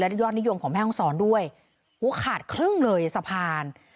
และได้ยอดนิยวงของแม่องศรด้วยโหขาดครึ่งเลยสะพาน